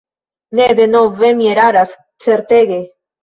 Ne, denove mi eraras, certege.